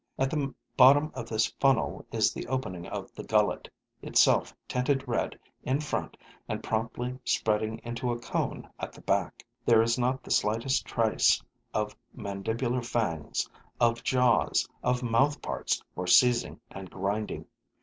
At the bottom of this funnel is the opening of the gullet, itself tinted red in front and promptly spreading into a cone at the back. There is not the slightest trace of mandibular fangs, of jaws, of mouth parts for seizing and grinding.